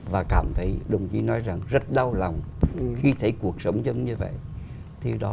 và cảm thấy đồng chí nói rằng rất đau lòng khi thấy cuộc sống dân như vậy